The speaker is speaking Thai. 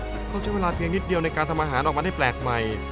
เขาใช้เวลาเพียงนิดเดียวในการทำอาหารออกมาได้แปลกใหม่